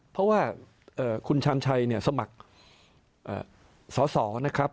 เพราะว่าคุณชาญชัยเนี่ยสมัครสอสอนะครับ